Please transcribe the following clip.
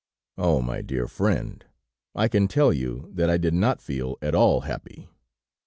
"Oh! My dear friend, I can tell you that I did not feel at all happy!